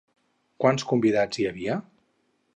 Quants convidats hi havia?